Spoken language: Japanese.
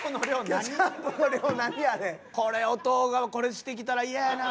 これお父がこれしてきたら嫌やな。